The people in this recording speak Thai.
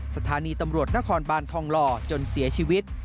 สถานีตำรวจนครบานทองหล่อจนเสียชีวิต